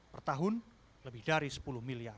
pertahun lebih dari sepuluh miliar